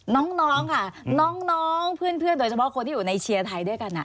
น้องค่ะน้องเพื่อนโดยเฉพาะคนที่อยู่ในเชียร์ไทยด้วยกัน